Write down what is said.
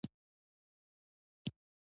ساتنه او مراقبت اړین دی